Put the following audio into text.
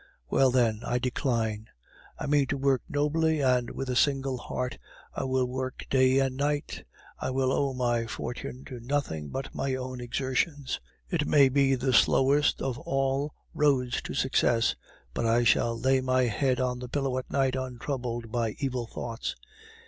Well, then, I decline. I mean to work nobly and with a single heart. I will work day and night; I will owe my fortune to nothing but my own exertions. It may be the slowest of all roads to success, but I shall lay my head on the pillow at night untroubled by evil thoughts.